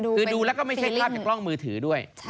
คือดูแล้วก็ไม่ใช่ภาพจากกล้องมือถือด้วย